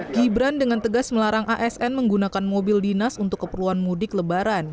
gibran dengan tegas melarang asn menggunakan mobil dinas untuk keperluan mudik lebaran